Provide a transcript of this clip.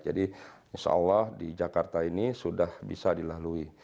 jadi insya allah di jakarta ini sudah bisa dilalui